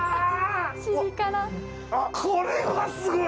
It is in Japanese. これはすごい！